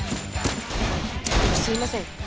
すいません。